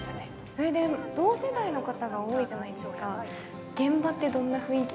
それで同世代の方が多いじゃないですか